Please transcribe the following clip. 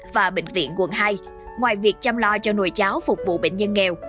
và bệnh viện quận hai ngoài việc chăm lo cho nồi cháo phục vụ bệnh nhân nghèo